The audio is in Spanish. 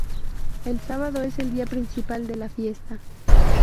El sábado es el día principal de la fiesta.